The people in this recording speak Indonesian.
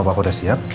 mas apa aku udah siap